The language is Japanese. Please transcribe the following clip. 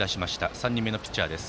３人目のピッチャーです。